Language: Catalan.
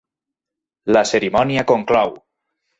La cerimònia conclou.